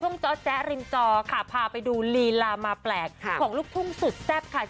เจาะแจ๊ริมจอค่ะพาไปดูลีลามาแปลกของลูกทุ่งสุดแซ่บค่ะ